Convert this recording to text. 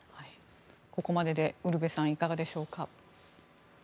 ここまででウルヴェさんいかがでしょうか。